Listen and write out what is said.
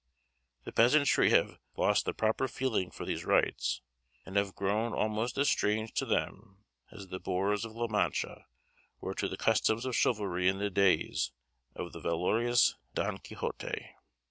The peasantry have lost the proper feeling for these rites, and have grown almost as strange to them as the boors of La Mancha were to the customs of chivalry in the days of the valorous Don Quixote.